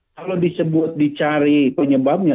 kalau disebut dicari penyebabnya